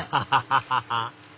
ハハハハハ